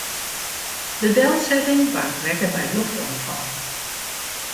De delsetting waard rekke by loftoanfallen.